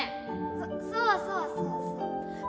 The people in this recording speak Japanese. そそうそうそうそう